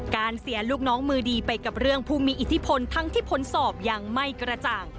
เสียลูกน้องมือดีไปกับเรื่องผู้มีอิทธิพลทั้งที่ผลสอบยังไม่กระจ่าง